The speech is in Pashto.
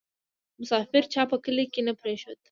ـ مسافر چا په کلي کې نه پرېښود